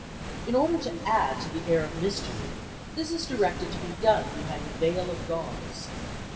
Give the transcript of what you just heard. In order to add to the air of mystery this is directed to be done behind a veil of gauze.